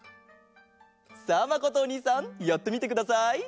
さあまことおにいさんやってみてください。